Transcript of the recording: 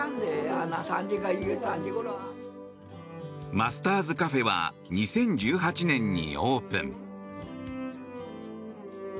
マスターズＣａｆｅは２０１８年にオープン。